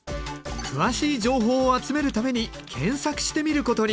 詳しい情報を集めるために検索してみることに。